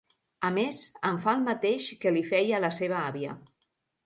A més, em fa el mateix que li feia a la seva àvia.